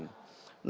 nah kondisi jalan